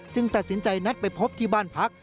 ตัดสินใจนัดไปพบที่บ้านพัก